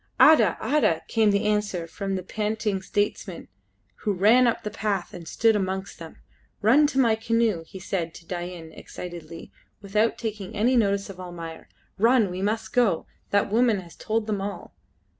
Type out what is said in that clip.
"Ada! Ada!" came the answer from the panting statesman who ran up the path and stood amongst them. "Run to my canoe," he said to Dain excitedly, without taking any notice of Almayer. "Run! we must go. That woman has told them all!"